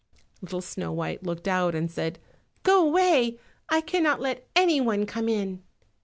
Little Snow white looked out and said, "Go away; I cannot let any one come in."